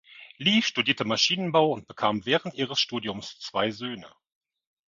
Li studierte Maschinenbau und bekam während ihres Studiums zwei Söhne.